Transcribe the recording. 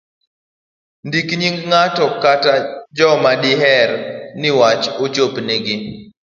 ndik nying' ng'at kata joma diher ni wach ochop nigi